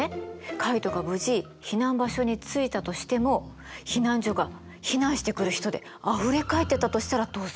カイトが無事避難場所に着いたとしても避難所が避難してくる人であふれかえってたとしたらどうする？